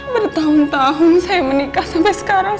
bertahun tahun saya menikah sampai sekarang